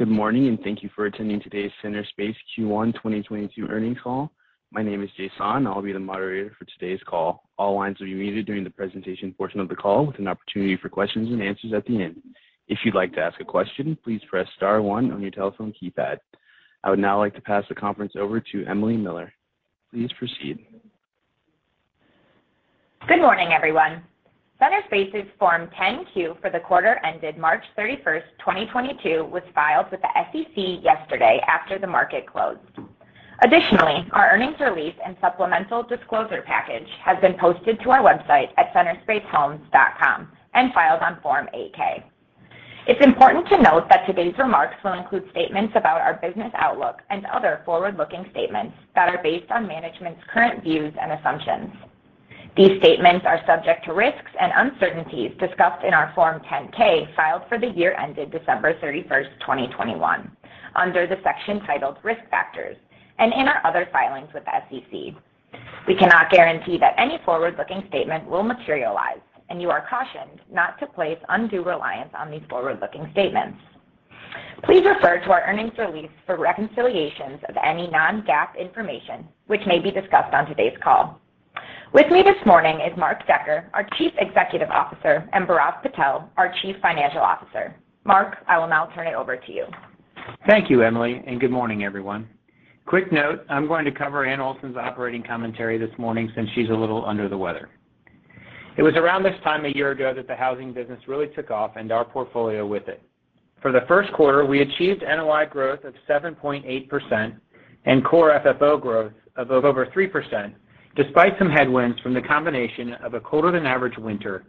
Good morning, and thank you for attending today's Centerspace Q1 2022 earnings call. My name is Jason. I'll be the moderator for today's call. All lines will be muted during the presentation portion of the call with an opportunity for questions and answers at the end. If you'd like to ask a question, please press star one on your telephone keypad. I would now like to pass the conference over to Emily Miller. Please proceed. Good morning, everyone. Centerspace's Form 10-Q for the quarter ended March 31, 2022 was filed with the SEC yesterday after the market closed. Additionally, our earnings release and supplemental disclosure package has been posted to our website at centerspacehomes.com and filed on Form 8-K. It's important to note that today's remarks will include statements about our business outlook and other forward-looking statements that are based on management's current views and assumptions. These statements are subject to risks and uncertainties discussed in our Form 10-K filed for the year ended December 31, 2021 under the section titled Risk Factors and in our other filings with the SEC. We cannot guarantee that any forward-looking statement will materialize, and you are cautioned not to place undue reliance on these forward-looking statements. Please refer to our earnings release for reconciliations of any non-GAAP information which may be discussed on today's call. With me this morning is Mark Decker, our Chief Executive Officer, and Bhairav Patel, our Chief Financial Officer. Mark, I will now turn it over to you. Thank you, Emily, and good morning, everyone. Quick note, I'm going to cover Anne Olson's operating commentary this morning since she's a little under the weather. It was around this time a year ago that the housing business really took off and our portfolio with it. For the Q1, we achieved NOI growth of 7.8% and core FFO growth of over 3% despite some headwinds from the combination of a colder-than-average winter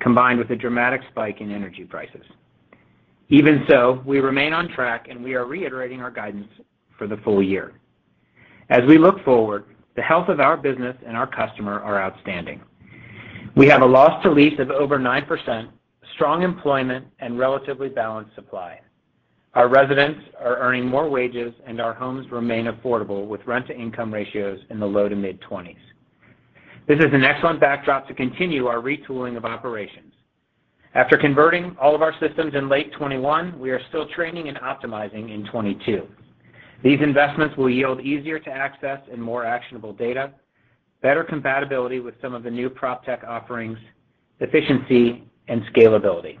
combined with a dramatic spike in energy prices. Even so, we remain on track, and we are reiterating our guidance for the full year. As we look forward, the health of our business and our customer are outstanding. We have a loss to lease of over 9%, strong employment, and relatively balanced supply. Our residents are earning more wages, and our homes remain affordable with rent-to-income ratios in the low to mid-20s. This is an excellent backdrop to continue our retooling of operations. After converting all of our systems in late 2021, we are still training and optimizing in 2022. These investments will yield easier-to-access and more actionable data, better compatibility with some of the new PropTech offerings, efficiency and scalability.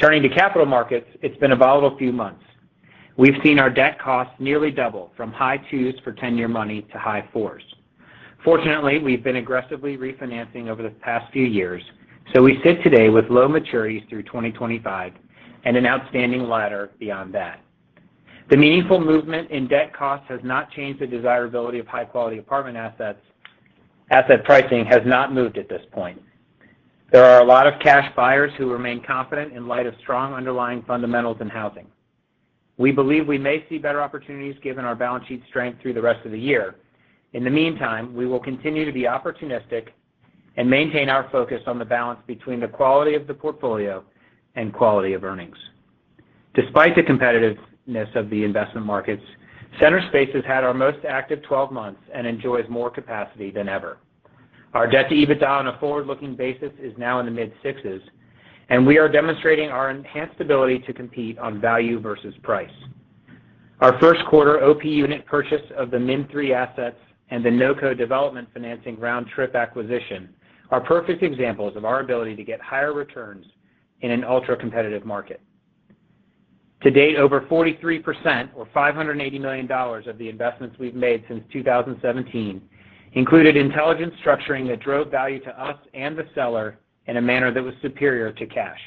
Turning to capital markets, it's been a volatile few months. We've seen our debt costs nearly double from high 2s for 10-year money to high 4s. Fortunately, we've been aggressively refinancing over the past few years, so we sit today with low maturities through 2025 and an outstanding ladder beyond that. The meaningful movement in debt costs has not changed the desirability of high-quality apartment assets. Asset pricing has not moved at this point. There are a lot of cash buyers who remain confident in light of strong underlying fundamentals in housing. We believe we may see better opportunities given our balance sheet strength through the rest of the year. In the meantime, we will continue to be opportunistic and maintain our focus on the balance between the quality of the portfolio and quality of earnings. Despite the competitiveness of the investment markets, Centerspace has had our most active 12 months and enjoys more capacity than ever. Our debt to EBITDA on a forward-looking basis is now in the mid-sixes, and we are demonstrating our enhanced ability to compete on value versus price. Our Q1 OP unit purchase of the Min Three assets and the Noko development financing round-trip acquisition are perfect examples of our ability to get higher returns in an ultra-competitive market. To date, over 43% or $580 million of the investments we've made since 2017 included intelligent structuring that drove value to us and the seller in a manner that was superior to cash.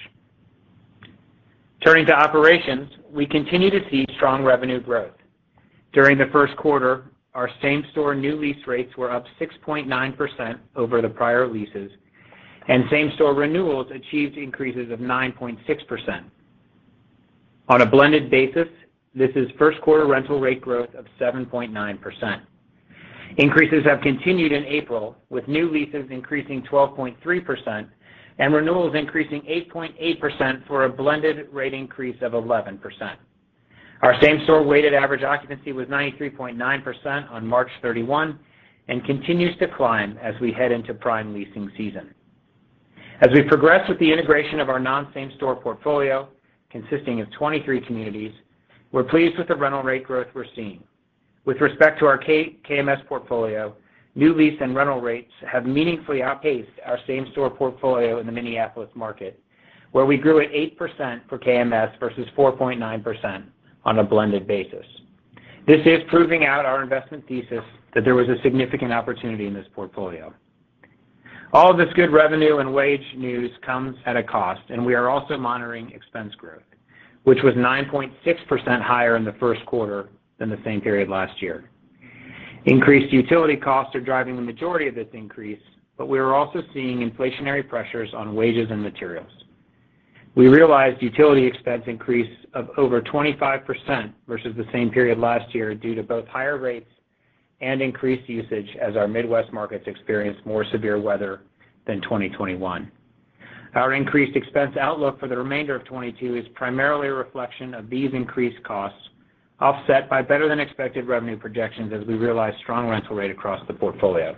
Turning to operations, we continue to see strong revenue growth. During the Q1, our same-store new lease rates were up 6.9% over the prior leases, and same-store renewals achieved increases of 9.6%. On a blended basis, this is Q1 rental rate growth of 7.9%. Increases have continued in April, with new leases increasing 12.3% and renewals increasing 8.8% for a blended rate increase of 11%. Our same-store weighted average occupancy was 93.9% on March 31 and continues to climb as we head into prime leasing season. As we progress with the integration of our non-same-store portfolio consisting of 23 communities, we're pleased with the rental rate growth we're seeing. With respect to our KMS portfolio, new lease and rental rates have meaningfully outpaced our same-store portfolio in the Minneapolis market, where we grew at 8% for KMS versus 4.9% on a blended basis. This is proving out our investment thesis that there was a significant opportunity in this portfolio. All of this good revenue and wage news comes at a cost, and we are also monitoring expense growth, which was 9.6% higher in the Q1 than the same period last year. Increased utility costs are driving the majority of this increase, but we are also seeing inflationary pressures on wages and materials. We realized utility expense increase of over 25% versus the same period last year due to both higher rates and increased usage as our Midwest markets experienced more severe weather than 2021. Our increased expense outlook for the remainder of 2022 is primarily a reflection of these increased costs offset by better-than-expected revenue projections as we realize strong rental rate across the portfolio.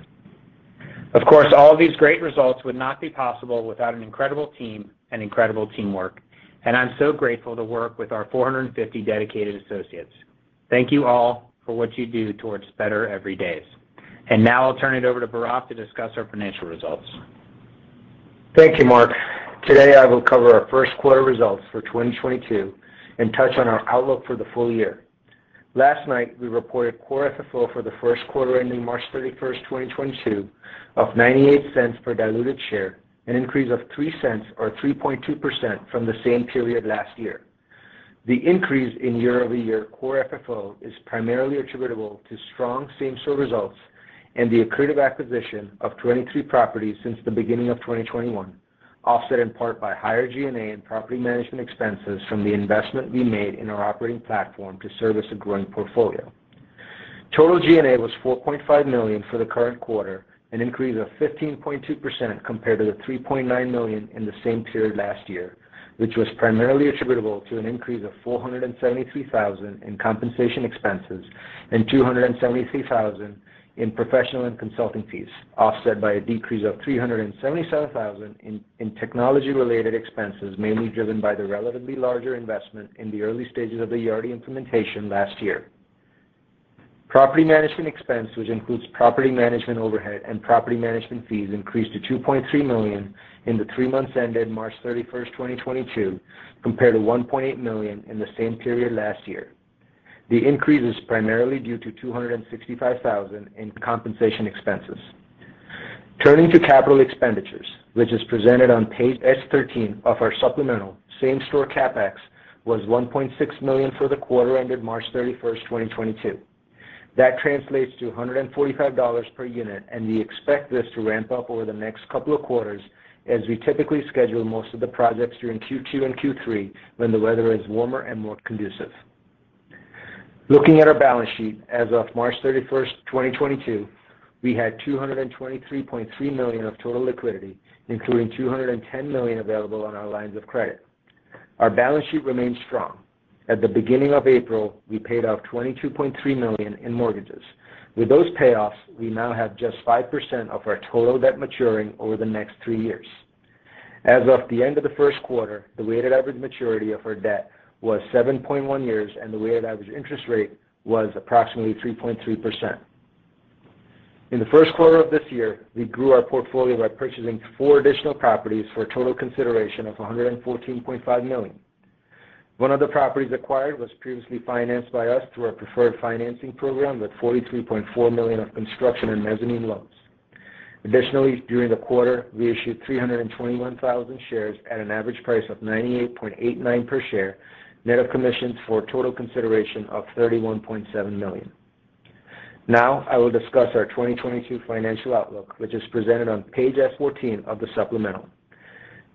Of course, all of these great results would not be possible without an incredible team and incredible teamwork, and I'm so grateful to work with our 450 dedicated associates. Thank you all for what you do towards better every day. Now I'll turn it over to Bhairav to discuss our financial results. Thank you, Mark. Today, I will cover our Q1 results for 2022 and touch on our outlook for the full year. Last night, we reported core FFO for the Q1 ending March 31, 2022 of $0.98 per diluted share, an increase of $0.03 or 3.2% from the same period last year. The increase in year-over-year core FFO is primarily attributable to strong same-store results and the accretive acquisition of 22 properties since the beginning of 2021, offset in part by higher G&A and property management expenses from the investment we made in our operating platform to service a growing portfolio. Total G&A was $4.5 million for the current quarter, an increase of 15.2% compared to the $3.9 million in the same period last year, which was primarily attributable to an increase of $473,000 in compensation expenses and $273,000 in professional and consulting fees, offset by a decrease of $377,000 in technology-related expenses, mainly driven by the relatively larger investment in the early stages of the Yardi implementation last year. Property management expense, which includes property management overhead and property management fees, increased to $2.3 million in the three months ended March 31, 2022, compared to $1.8 million in the same period last year. The increase is primarily due to $265,000 in compensation expenses. Turning to capital expenditures, which is presented on page S-13 of our supplemental, same-store CapEx was $1.6 million for the quarter ended March 31, 2022. That translates to $145 per unit, and we expect this to ramp up over the next couple of quarters as we typically schedule most of the projects during Q2 and Q3 when the weather is warmer and more conducive. Looking at our balance sheet, as of March 31, 2022, we had $223.3 million of total liquidity, including $210 million available on our lines of credit. Our balance sheet remains strong. At the beginning of April, we paid off $22.3 million in mortgages. With those payoffs, we now have just 5% of our total debt maturing over the next three years. As of the end of the Q1, the weighted average maturity of our debt was 7.1 years, and the weighted average interest rate was approximately 3.2%. In the Q1 of this year, we grew our portfolio by purchasing four additional properties for a total consideration of $114.5 million. One of the properties acquired was previously financed by us through our preferred financing program with $43.4 million of construction and mezzanine loans. Additionally, during the quarter, we issued 321,000 shares at an average price of $98.89 per share, net of commissions for total consideration of $31.7 million. Now, I will discuss our 2022 financial outlook, which is presented on page S-14 of the supplemental.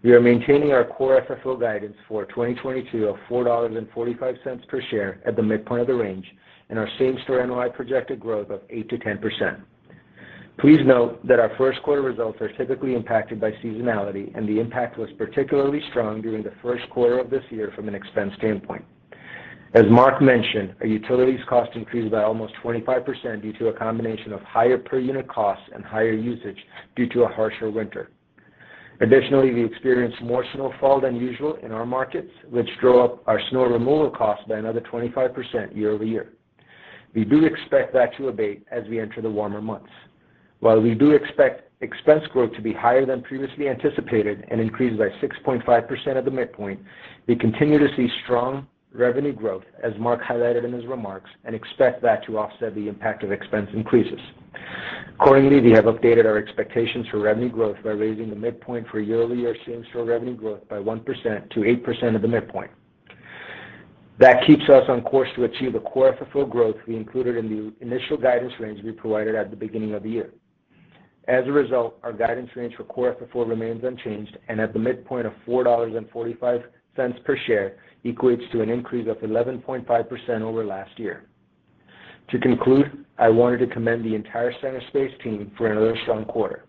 We are maintaining our Core FFO guidance for 2022 of $4.45 per share at the midpoint of the range and our same-store NOI projected growth of 8%-10%. Please note that our Q1 results are typically impacted by seasonality, and the impact was particularly strong during the Q1 of this year from an expense standpoint. As Mark mentioned, our utilities cost increased by almost 25% due to a combination of higher per unit costs and higher usage due to a harsher winter. Additionally, we experienced more snowfall than usual in our markets, which drove up our snow removal costs by another 25% year-over-year. We do expect that to abate as we enter the warmer months. While we do expect expense growth to be higher than previously anticipated and increases by 6.5% at the midpoint, we continue to see strong revenue growth, as Mark highlighted in his remarks, and expect that to offset the impact of expense increases. Accordingly, we have updated our expectations for revenue growth by raising the midpoint for year-over-year same-store revenue growth by 1% to 8% at the midpoint. That keeps us on course to achieve a core FFO growth we included in the initial guidance range we provided at the beginning of the year. As a result, our guidance range for core FFO remains unchanged and at the midpoint of $4.45 per share equates to an increase of 11.5% over last year. To conclude, I wanted to commend the entire Centerspace team for another strong quarter.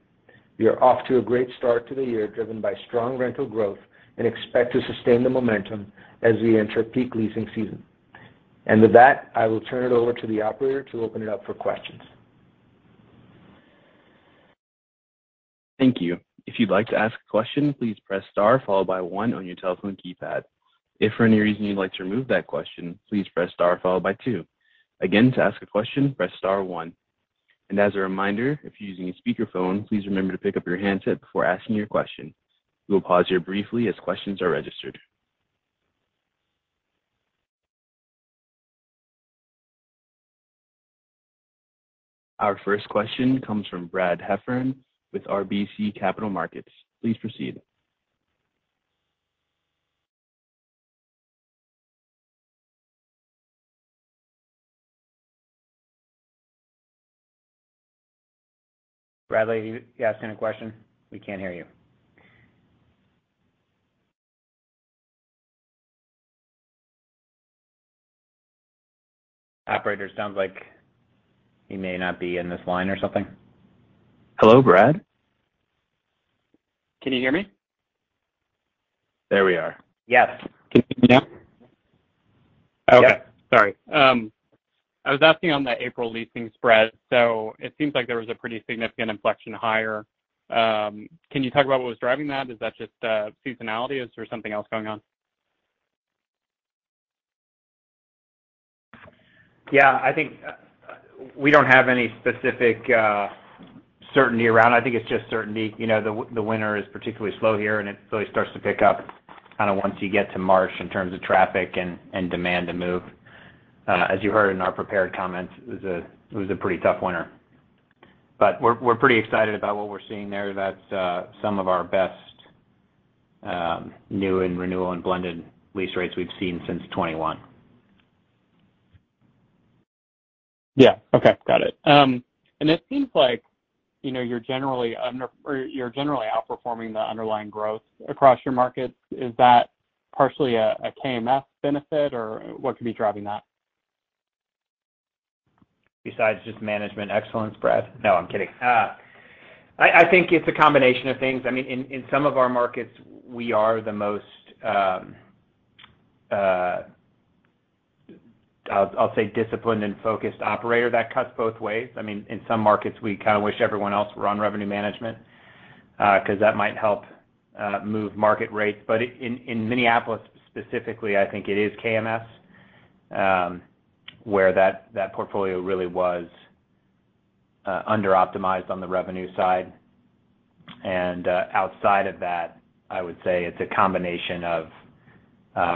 We are off to a great start to the year, driven by strong rental growth and expect to sustain the momentum as we enter peak leasing season. With that, I will turn it over to the operator to open it up for questions. Thank you. If you'd like to ask a question, please press star followed by one on your telephone keypad. If for any reason you'd like to remove that question, please press star followed by two. Again, to ask a question, press star one. As a reminder, if you're using a speakerphone, please remember to pick up your handset before asking your question. We will pause here briefly as questions are registered. Our first question comes from Brad Heffern with RBC Capital Markets. Please proceed. Bradley, if you asking a question? We can't hear you. Operator, sounds like he may not be in this line or something. Hello, Brad? Can you hear me? There we are. Yes. Can you hear me now? Yes. Okay. Sorry. I was asking on the April leasing spread. It seems like there was a pretty significant inflection higher. Can you talk about what was driving that? Is that just seasonality? Is there something else going on? Yeah. I think we don't have any specific certainty around it. I think it's just certainty. You know, the winter is particularly slow here, and it really starts to pick up kinda once you get to March in terms of traffic and demand to move. As you heard in our prepared comments, it was a pretty tough winter. We're pretty excited about what we're seeing there. That's some of our best new and renewal and blended lease rates we've seen since 2021. Yeah. Okay. Got it. It seems like, you know, you're generally outperforming the underlying growth across your markets. Is that partially a KMS benefit, or what could be driving that? Besides just management excellence, Brad? No, I'm kidding. I think it's a combination of things. I mean, in some of our markets, we are the most I'll say disciplined and focused operator. That cuts both ways. I mean, in some markets, we kind of wish everyone else were on revenue management, 'cause that might help move market rates. In Minneapolis specifically, I think it is KMS, where that portfolio really was under-optimized on the revenue side. Outside of that, I would say it's a combination of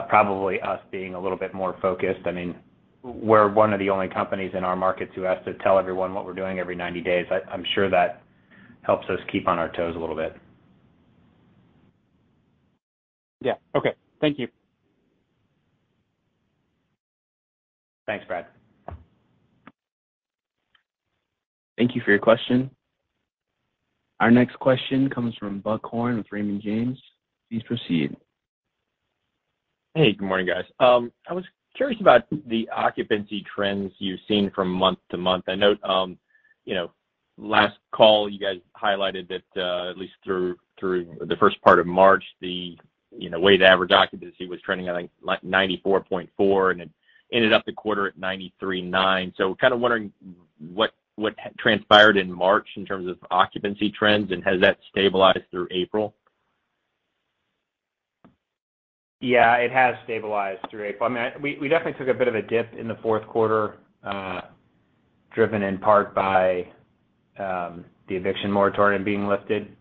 probably us being a little bit more focused. I mean, we're one of the only companies in our markets who has to tell everyone what we're doing every 90 days. I'm sure that helps us keep on our toes a little bit. Yeah. Okay. Thank you. Thanks, Brad. Thank you for your question. Our next question comes from Buck Horne with Raymond James. Please proceed. Hey. Good morning, guys. I was curious about the occupancy trends you've seen from month to month. I note, you know, last call, you guys highlighted that, at least through the first part of March, you know, weighted average occupancy was trending at, like, 94.4%, and it ended up the quarter at 93.9%. Kind of wondering what transpired in March in terms of occupancy trends, and has that stabilized through April? Yeah, it has stabilized through April. I mean, we definitely took a bit of a dip in the Q4, driven in part by the eviction moratorium being lifted.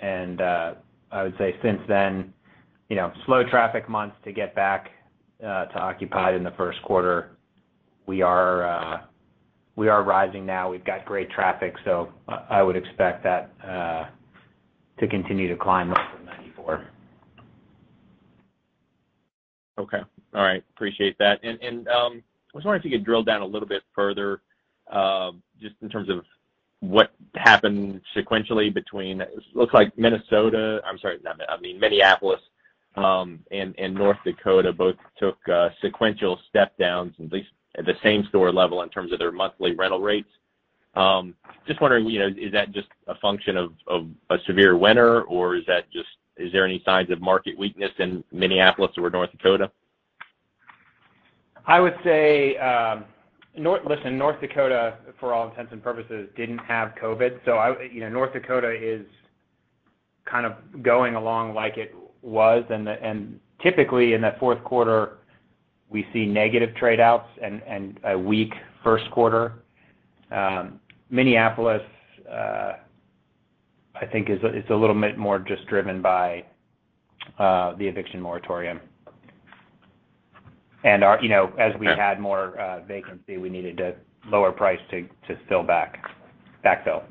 I would say since then, you know, slow traffic months to get back to occupancy in theQ1. We are rising now. We've got great traffic, so I would expect that to continue to climb up from 94%. Okay. All right. Appreciate that. I was wondering if you could drill down a little bit further, just in terms of what happened sequentially between. It looks like Minneapolis and North Dakota both took a sequential step downs, at least at the same-store level in terms of their monthly rental rates. Just wondering, you know, is that just a function of a severe winter, or is that just? Is there any signs of market weakness in Minneapolis or North Dakota? I would say North Dakota, for all intents and purposes, didn't have COVID. You know, North Dakota is kind of going along like it was. Typically in that Q4, we see negative trade outs and a weak Q1. Minneapolis, I think is a little bit more just driven by the eviction moratorium. You know, as we had more vacancy, we needed to lower price to fill backfill.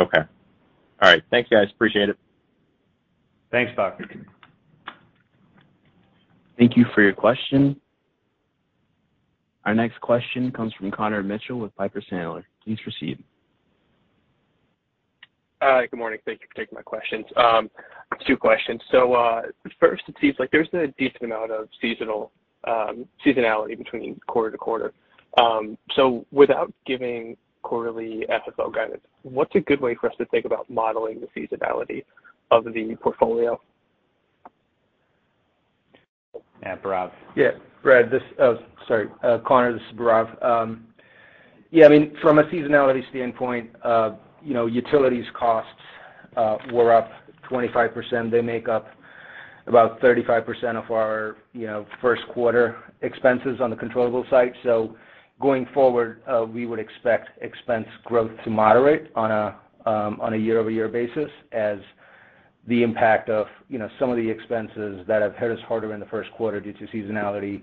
Okay. All right. Thank you, guys. Appreciate it. Thanks, Buck. Thank you for your question. Our next question comes from Connor Mitchell with Piper Sandler. Please proceed. Good morning. Thank you for taking my questions. Two questions. First, it seems like there's been a decent amount of seasonal seasonality between quarter-to-quarter. Without giving quarterly FFO guidance, what's a good way for us to think about modeling the seasonality of the portfolio? Yeah, Bhairav. Yeah. Oh, sorry. Connor, this is Bhairav. Yeah, I mean, from a seasonality standpoint, you know, utilities costs were up 25%. They make up about 35% of our, you know, Q1 expenses on the controllable side. Going forward, we would expect expense growth to moderate on a year-over-year basis as the impact of, you know, some of the expenses that have hit us harder in the Q1 due to seasonality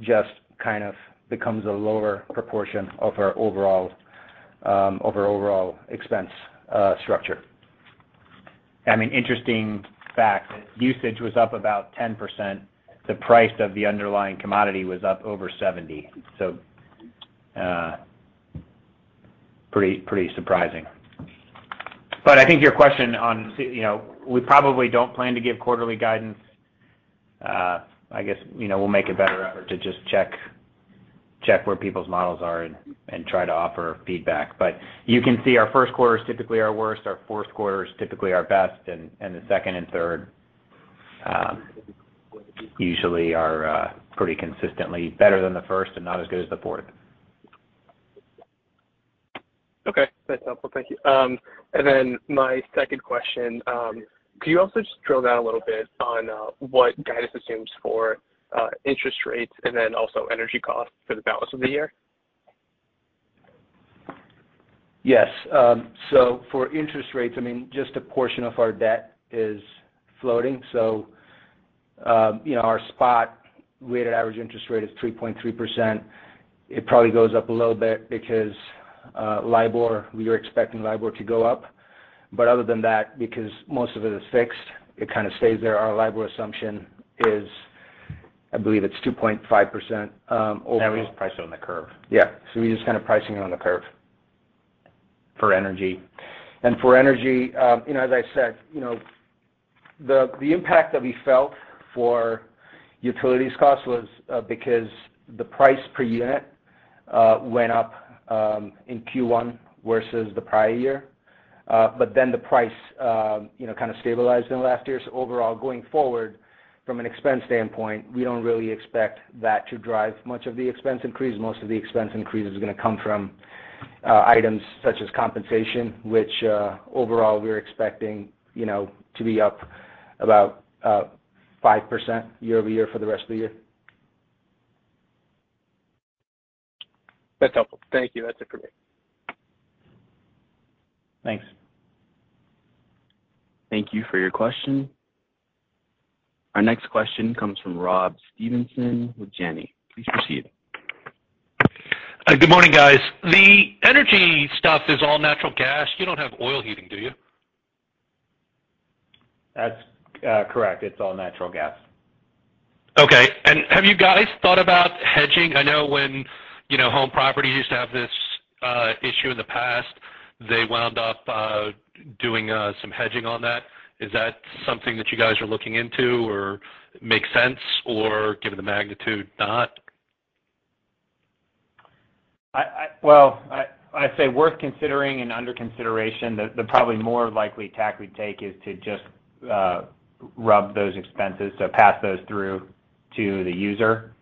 just kind of becomes a lower proportion of our overall expense structure. I mean, interesting fact. Usage was up about 10%. The price of the underlying commodity was up over 70%. Pretty surprising. I think your question. You know, we probably don't plan to give quarterly guidance. I guess, you know, we'll make a better effort to just check where people's models are and try to offer feedback. You can see our Q1 is typically our worst, our Q4 is typically our best, and the second and third usually are pretty consistently better than the first and not as good as the fourth. Okay. That's helpful. Thank you. My second question, could you also just drill down a little bit on what guidance assumes for interest rates and then also energy costs for the balance of the year? Yes. For interest rates, I mean, just a portion of our debt is floating. You know, our spot weighted average interest rate is 3.3%. It probably goes up a little bit because LIBOR, we are expecting LIBOR to go up. Other than that, because most of it is fixed, it kinda stays there. Our LIBOR assumption is, I believe it's 2.5%. That is priced on the curve. Yeah. We're just kind of pricing it on the curve. For energy. For energy, you know, as I said, you know, the impact that we felt for utilities cost was because the price per unit went up in Q1 versus the prior year. Then the price you know kind of stabilized in the last year. Overall, going forward, from an expense standpoint, we don't really expect that to drive much of the expense increase. Most of the expense increase is gonna come from items such as compensation, which overall we're expecting you know to be up about 5% year-over-year for the rest of the year. That's helpful. Thank you. That's it for me. Thanks. Thank you for your question. Our next question comes from Rob Stevenson with Janney. Please proceed. Good morning, guys. The energy stuff is all natural gas. You don't have oil heating, do you? That's correct. It's all natural gas. Okay. Have you guys thought about hedging? I know when, you know, Home Properties used to have this issue in the past, they wound up doing some hedging on that. Is that something that you guys are looking into or makes sense or given the magnitude not? Well, I'd say worth considering and under consideration, the probably more likely tack we'd take is to just RUBS those expenses, so pass those through to the user,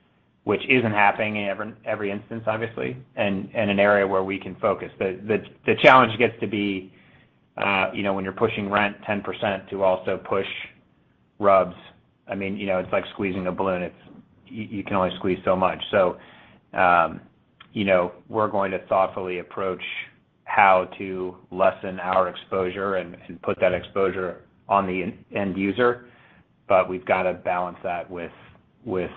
which isn't happening in every instance, obviously, and an area where we can focus. The challenge gets to be, you know, when you're pushing rent 10% to also push RUBS, I mean, you know, it's like squeezing a balloon. It's. You can only squeeze so much. You know, we're going to thoughtfully approach how to lessen our exposure and put that exposure on the end user. But we've got to balance that with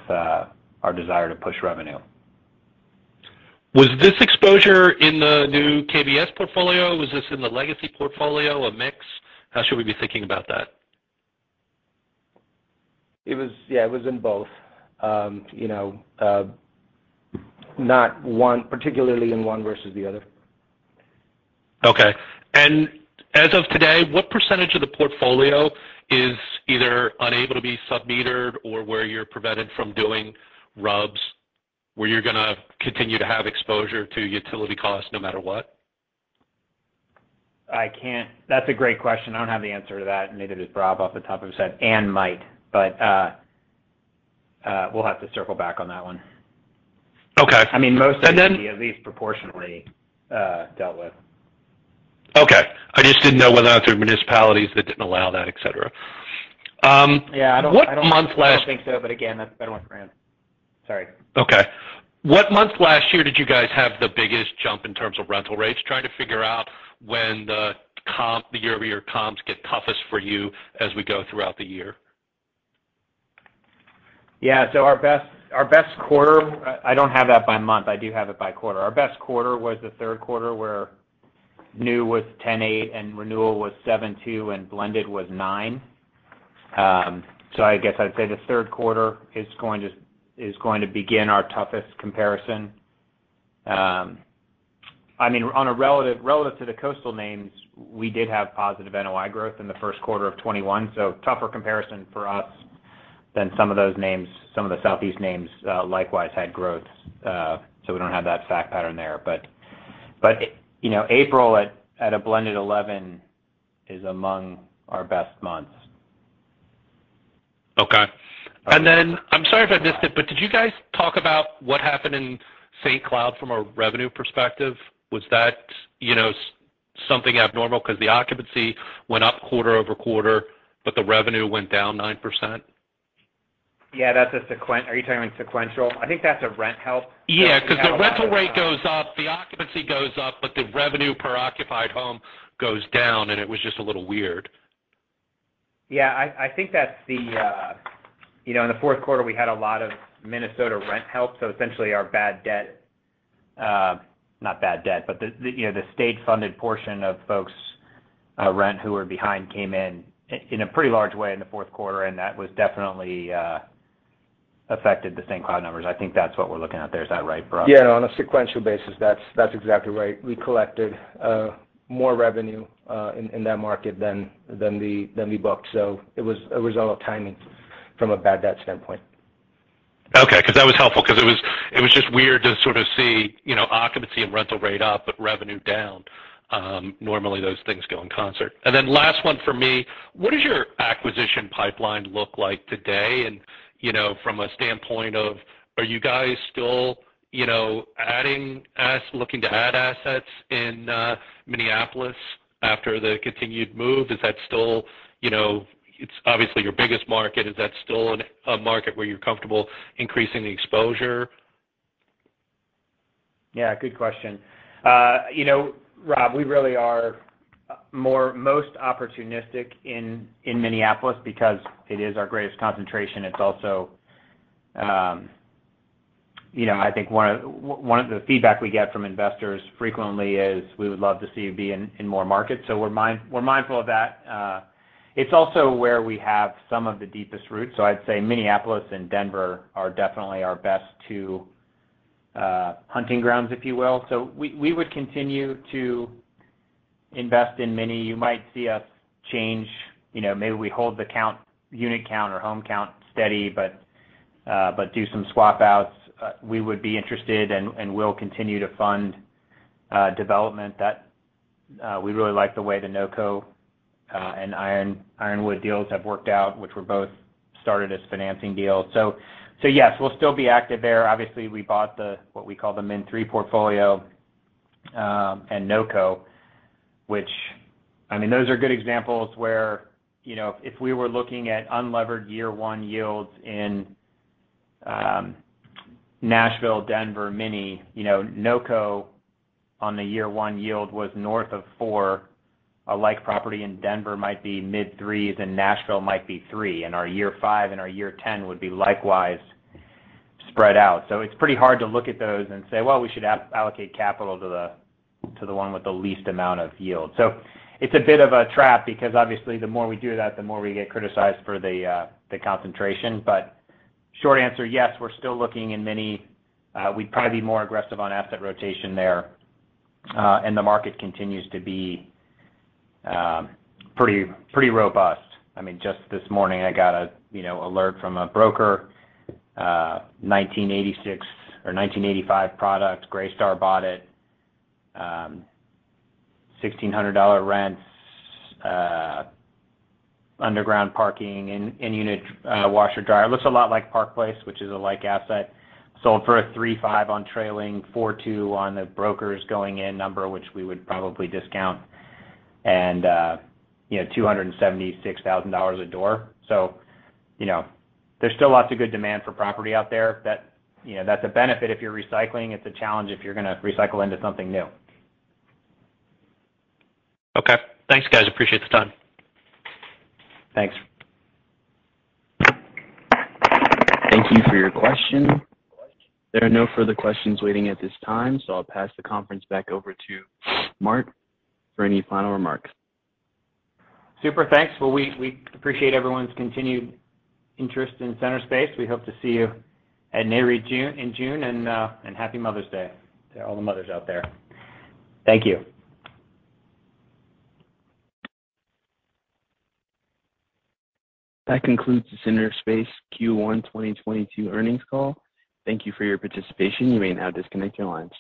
our desire to push revenue. Was this exposure in the new KMS portfolio? Was this in the legacy portfolio or mix? How should we be thinking about that? Yeah, it was in both. You know, not one particularly in one versus the other. Okay. As of today, what percentage of the portfolio is either unable to be sub-metered or where you're prevented from doing RUBS, where you're gonna continue to have exposure to utility costs no matter what? That's a great question. I don't have the answer to that, neither does Rob off the top of his head and Mike. We'll have to circle back on that one. Okay. I mean, most of it. And then- will be at least proportionally dealt with. Okay. I just didn't know whether or not through municipalities that didn't allow that, et cetera. Yeah, I don't. What month last- I don't think so. Again, that's a better one for Anne. Sorry. Okay. What month last year did you guys have the biggest jump in terms of rental rates? Trying to figure out when the comp, the year-over-year comps get toughest for you as we go throughout the year. Yeah. Our best quarter, I don't have that by month. I do have it by quarter. Our best quarter was the Q3, where new was 10.8% and renewal was 7.2% and blended was 9%. I guess I'd say the Q3 is going to begin our toughest comparison. I mean, relative to the coastal names, we did have positive NOI growth in the Q1 of 2021, so tougher comparison for us than some of those names. Some of the southeast names likewise had growth. We don't have that fact pattern there. You know, April at a blended 11% is among our best months. Okay. I'm sorry if I missed it, but did you guys talk about what happened in St. Cloud from a revenue perspective? Was that, you know, something abnormal 'cause the occupancy went up quarter-over-quarter, but the revenue went down 9%? Yeah, are you talking sequential? I think that's a rent help. Yeah, 'cause the rental rate goes up, the occupancy goes up, but the revenue per occupied home goes down, and it was just a little weird. Yeah, I think that's the, you know, in the Q4, we had a lot of Minnesota Rent Help, so essentially our bad debt, not bad debt, but the, you know, the state-funded portion of folks, rent who were behind came in a pretty large way in the Q4, and that was definitely affected the St. Cloud numbers. I think that's what we're looking at there. Is that right, Rob? Yeah, on a sequential basis, that's exactly right. We collected more revenue in that market than we booked. It was a result of timing. From a bad debt standpoint. Okay. 'Cause that was helpful, 'cause it was just weird to sort of see, you know, occupancy and rental rate up, but revenue down. Normally those things go in concert. Last one for me, what does your acquisition pipeline look like today? You know, from a standpoint of are you guys still, you know, looking to add assets in Minneapolis after the continued move? Is that still a market where you're comfortable increasing the exposure? You know, it's obviously your biggest market. Yeah, good question. You know, Rob, we really are most opportunistic in Minneapolis because it is our greatest concentration. It's also, you know, I think one of the feedback we get from investors frequently is we would love to see you be in more markets. We're mindful of that. It's also where we have some of the deepest roots. I'd say Minneapolis and Denver are definitely our best two hunting grounds, if you will. We would continue to invest in Minneapolis. You might see us change, you know, maybe we hold the count, unit count or home count steady, but do some swap outs. We would be interested and will continue to fund development that we really like the way the Noko and Ironwood deals have worked out, which were both started as financing deals. Yes, we'll still be active there. Obviously, we bought what we call the Min Three portfolio and Noko, which, I mean, those are good examples where, you know, if we were looking at unlevered year one yields in Nashville, Denver, Minneapolis, you know, Noko on the year one yield was north of 4%. A like property in Denver might be mid-3s, and Nashville might be 3%. Our year five and our year 10 would be likewise spread out. It's pretty hard to look at those and say, "Well, we should allocate capital to the one with the least amount of yield." It's a bit of a trap because obviously the more we do that, the more we get criticized for the concentration. Short answer, yes, we're still looking in Minneapolis. We'd probably be more aggressive on asset rotation there. The market continues to be pretty robust. I mean, just this morning I got a you know alert from a broker, 1986 or 1985 product. Greystar bought it. $1,600 rents, underground parking and in-unit washer dryer. Looks a lot like Park Place, which is a like asset. Sold for a 3.5 on trailing, 4.2 on the brokers going in number, which we would probably discount. You know, $276,000 a door. You know, there's still lots of good demand for property out there. You know, that's a benefit if you're recycling. It's a challenge if you're gonna recycle into something new. Okay. Thanks, guys. Appreciate the time. Thanks. Thank you for your question. There are no further questions waiting at this time, so I'll pass the conference back over to Mark for any final remarks. Super. Thanks. Well, we appreciate everyone's continued interest in Centerspace. We hope to see you at Nareit in June, and Happy Mother's Day to all the mothers out there. Thank you. That concludes the Centerspace Q1 2022 earnings call. Thank you for your participation. You may now disconnect your lines.